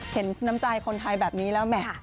เห็นน้ำใจคนไทยแบบนี้แล้วแหม